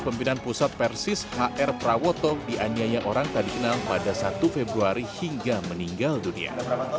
pemimpinan pusat persis hr prawoto dianiaya orang tak dikenal pada satu februari hingga meninggal dunia